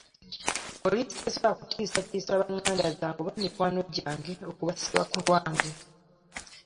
Poliisi tesobola kutiisatiisa ba nganda zange oba mikwano gyange okubasiba ku lwange.